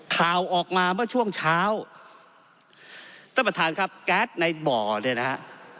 ข่าวออกมาเมื่อช่วงเช้าท่านประธานครับแก๊สในบ่อเนี่ยนะฮะ